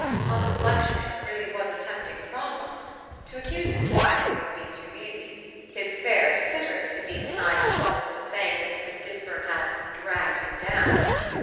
On reflection, it really was a tempting problem. To accuse his wife would have been too easy his fair sitters had been denied the solace of saying that Mrs. Gisburn had "dragged him down."